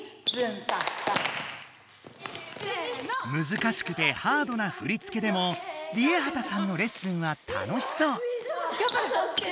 難しくてハードな振り付けでもＲＩＥＨＡＴＡさんのレッスンは楽しそう！